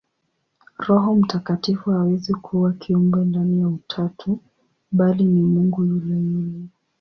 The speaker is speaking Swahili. Roho Mtakatifu hawezi kuwa kiumbe ndani ya Utatu, bali ni Mungu yule yule.